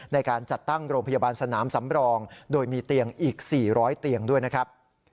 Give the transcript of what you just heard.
ในการจัดตั้งโรงพยาบาลสนามสำรองโดยมีเตียงอีก๔๐๐เตียงด้วยนะครับ